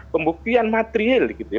pembukaan material gitu ya